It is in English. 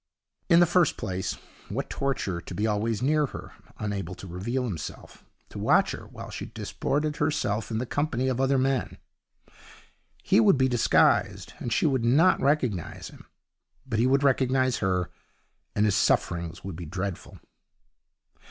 In the first place, what torture to be always near her, unable to reveal himself; to watch her while she disported herself in the company of other men. He would be disguised, and she would not recognize him; but he would recognize her, and his sufferings would be dreadful.